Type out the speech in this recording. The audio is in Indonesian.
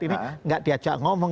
ini tidak diajak ngomong